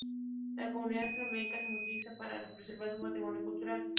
La comunidad flamenca se moviliza para preservar su patrimonio cultural.